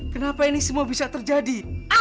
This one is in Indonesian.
kenapa ini semua bisa terjadi